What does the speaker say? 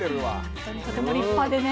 本当にとても立派でね